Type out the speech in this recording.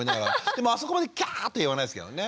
でもあそこまで「ギャー！」って言わないですけどね。